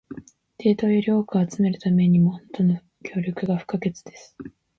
データをより多く集めるためにも、あなたの協力が不可欠です。